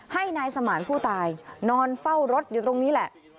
ให้นายสมานผู้ตายนอนเฝ้ารถอยู่ตรงนี้แหละ